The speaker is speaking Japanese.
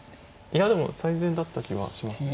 いやでも最善だった気はしますね。